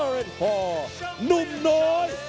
ทุกท่านทุกท่าน